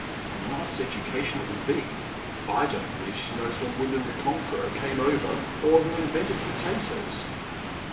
A nice education it will be I I don't believe she knows when WilUam the Conqueror came over, or who invented potatoes."